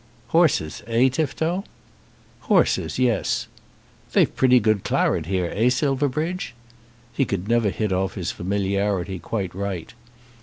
"Horses; eh, Tifto?" "Horses, yes. They've pretty good claret, here, eh, Silverbridge?" He could never hit off his familiarity quite right.